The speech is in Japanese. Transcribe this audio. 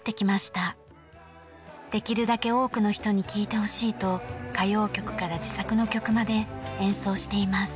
できるだけ多くの人に聴いてほしいと歌謡曲から自作の曲まで演奏しています。